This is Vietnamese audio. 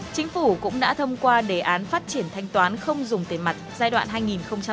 chính phủ cũng đã thông qua đề án phát triển thanh toán không dùng tiền mặt giai đoạn hai nghìn một mươi sáu hai nghìn hai mươi